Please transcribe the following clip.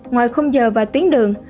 ngoài không giờ và tuyến đường